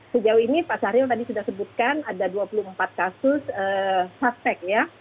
sejauh ini pak syahril tadi sudah sebutkan ada dua puluh empat kasus suspek ya